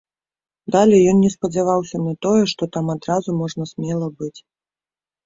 Далей ён не спадзяваўся на тое, што там адразу можна смела быць.